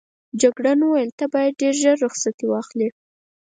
جګړن وویل ته باید ډېر ژر رخصتي واخلې.